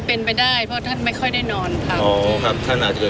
เป็นไปได้เพราะท่านไม่ค่อยได้นอนครับอ๋อครับท่านอาจจะ